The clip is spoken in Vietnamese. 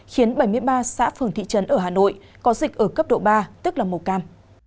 khiến bảy mươi ba xã phường thị trấn ở hà nội có dịch ở cấp độ ba tức là màu cam